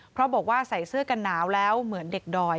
เพราะบอกว่าใส่เสื้อกันหนาวแล้วเหมือนเด็กดอย